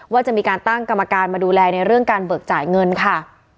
ว่าจะมีการตั้งกรรมการมาดูแลในเรื่องการเบิกจ่ายเงินค่ะ